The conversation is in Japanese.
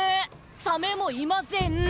サメもいません。